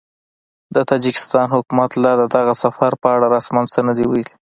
د تاجکستان حکومت لا د دغه سفر په اړه رسماً څه نه دي ویلي